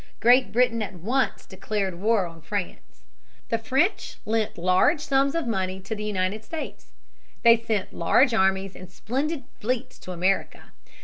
Great Britain at once declared war on France. The French lent large sums of money to the United States. They sent large armies and splendid fleets to America.